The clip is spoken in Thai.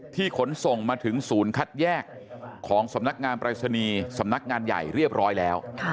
ขนส่งมาถึงศูนย์คัดแยกของสำนักงานปรายศนีย์สำนักงานใหญ่เรียบร้อยแล้ว